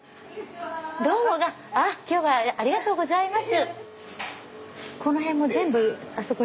どうも今日はありがとうございます。